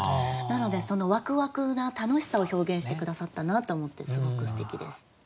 なのでそのワクワクな楽しさを表現して下さったなと思ってすごくすてきです。